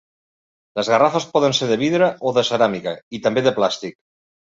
Les garrafes poden ser de vidre o de ceràmica i també de plàstic.